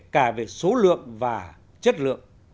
cả về số lượng và chất lượng